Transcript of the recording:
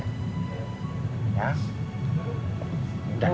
aku beneran mau cerita sama kamu tadinya